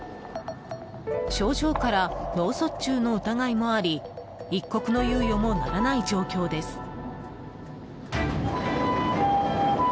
症状から脳卒中の疑いもあり一刻の猶予もならない状況です。